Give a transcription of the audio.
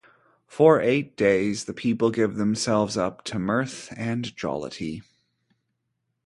For eight days the people give themselves up to mirth and jollity.